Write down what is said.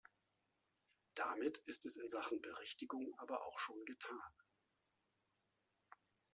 Damit ist es in Sachen Berichtigung aber auch schon getan.